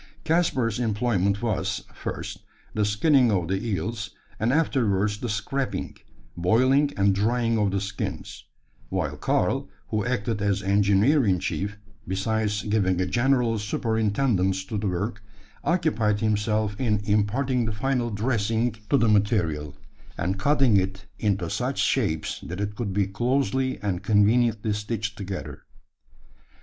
Caspar's employment was first, the skinning of the eels; and afterwards the scraping, boiling, and drying of the skins; while Karl, who acted as engineer in chief, besides giving a general superintendence to the work, occupied himself in imparting the final dressing to the material, and cutting it into such shapes, that it could be closely and conveniently stitched together.